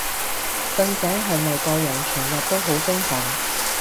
瞓醒係咪個人全日都好精神？